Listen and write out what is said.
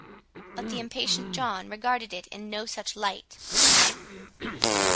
But the impatient John regarded it in no such light.